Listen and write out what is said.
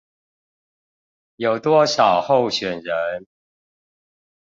有多少候選人